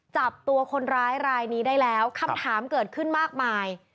จับตัวคนร้ายรายนี้ได้แล้วคำถามเกิดขึ้นมากมาย